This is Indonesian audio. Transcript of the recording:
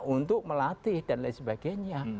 untuk melatih dan lain sebagainya